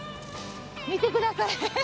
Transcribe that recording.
見てください！